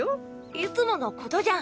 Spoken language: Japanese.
いつものことじゃん。